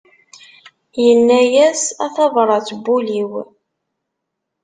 Inna-as a tabrat n wul-iw.